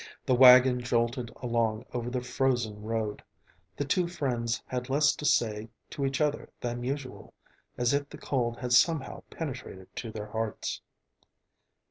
The wagon jolted along over the frozen road. The two friends had less to say to each other than usual, as if the cold had somehow penetrated to their hearts.